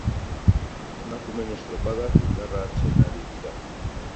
Emakumeen estropadak indarra hartzen ari dira.